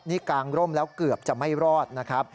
นี่กางร่มแล้วเกือบจะไม่รอดนะครับ